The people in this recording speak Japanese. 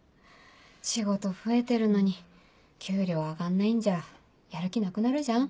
仕事増えてるのに給料上がんないんじゃやる気なくなるじゃん？